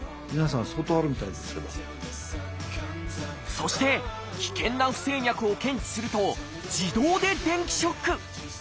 そして危険な不整脈を検知すると自動で電気ショック。